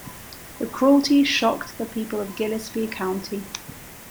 The cruelty shocked the people of Gillespie County.